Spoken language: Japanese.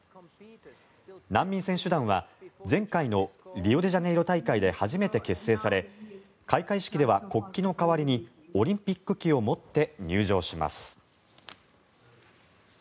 難民選手団は前回のリオデジャネイロ大会で初めて結成され開会式では国旗の代わりにオリンピック旗を持って入場します。